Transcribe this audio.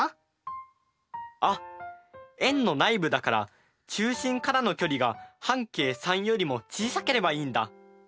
あっ円の内部だから中心からの距離が半径３よりも小さければいいんだ。